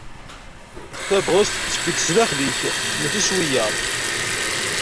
Tabɣest tettek-d s daxel-ik mačči s wiyiḍ.